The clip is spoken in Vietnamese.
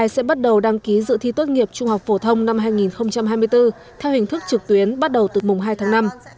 sẽ bắt đầu đăng ký dự thi tốt nghiệp trung học phổ thông năm hai nghìn hai mươi bốn theo hình thức trực tuyến bắt đầu từ mùng hai tháng năm